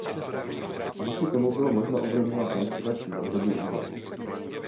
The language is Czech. Díky tomu bylo možno ovlivňovat menstruační období u žen.